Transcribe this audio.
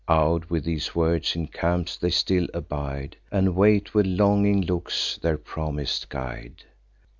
Aw'd with these words, in camps they still abide, And wait with longing looks their promis'd guide.